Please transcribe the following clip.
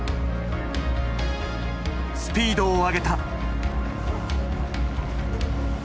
スピードを上げた。